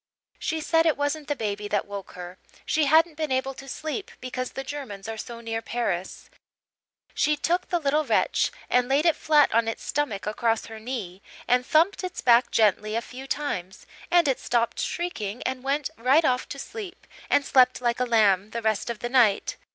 She said it wasn't the baby that woke her she hadn't been able to sleep because the Germans are so near Paris; she took the little wretch and laid it flat on its stomach across her knee and thumped its back gently a few times, and it stopped shrieking and went right off to sleep and slept like a lamb the rest of the night.